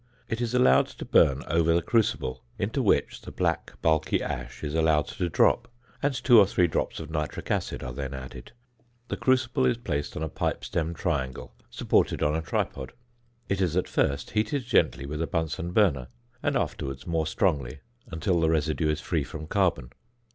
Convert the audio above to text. It is allowed to burn over the crucible, into which the black bulky ash is allowed to drop, and two or three drops of nitric acid are then added. The crucible is placed on a pipe stem triangle (fig. 21), supported on a tripod. It is at first heated gently with a Bunsen burner, and afterwards more strongly, until the residue is free from carbon.